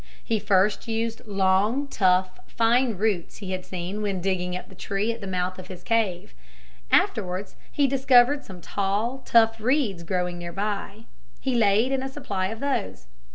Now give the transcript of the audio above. He first used long, tough, fine roots he had seen when digging up the tree at the mouth of his cave. Afterwards he discovered some tall, tough reeds growing near by. He laid in a supply of these.